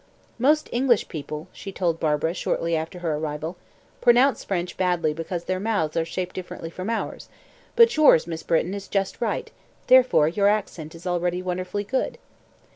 "Most English people," she told Barbara shortly after her arrival, "pronounce French badly because their mouths are shaped differently from ours, but yours, Miss Britton, is just right, therefore your accent is already wonderfully good."